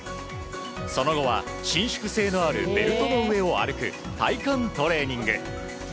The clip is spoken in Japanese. その後は、伸縮性のあるベルトの上を歩く体幹トレーニング。